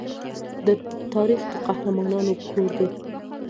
تاریخ د قهرمانانو کور دی.